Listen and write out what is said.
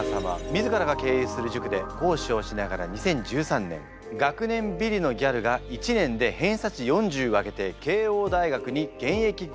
自らが経営する塾で講師をしながら２０１３年「学年ビリのギャルが１年で偏差値を４０上げて慶應大学に現役合格した話」